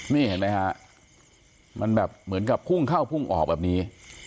นี่เห็นไหมฮะมันแบบเหมือนกับพุ่งเข้าพุ่งออกแบบนี้